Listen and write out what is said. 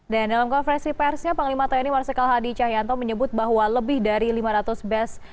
dan dalam konversi persnya panglima tni marsikal hadi cahyanto menyebut bahwa lebih dari lima ratus bes